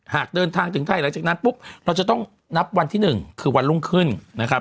หากเดินทางถึงไทยหลังจากนั้นปุ๊บเราจะต้องนับวันที่๑คือวันรุ่งขึ้นนะครับ